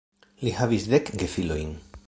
Li havis dek gefilojn.